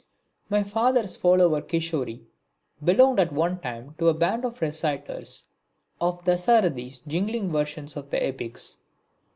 My father's follower Kishori belonged at one time to a band of reciters of Dasarathi's jingling versions of the Epics.